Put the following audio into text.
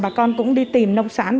bà con cũng đi tìm nông sản